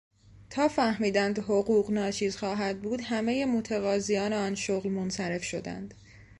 تا فهمیدند حقوق ناچیز خواهد بود همهی متقاضیان آن شغل منصرف شدند.